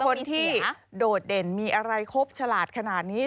โดดเด่นมีอะไรครบฉลาดขนาดนี้